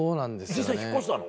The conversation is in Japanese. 実際引っ越したの？